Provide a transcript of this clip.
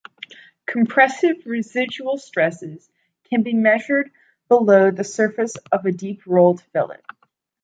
Compressive residual stresses can be measured below the surface of a deep-rolled fillet.